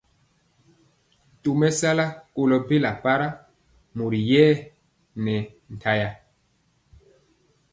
Tomesala kolo bela para mori yɛɛ nɛ ntaya.